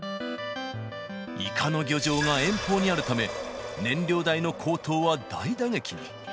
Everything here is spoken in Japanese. イカの漁場が遠方にあるため、燃料代の高騰は大打撃に。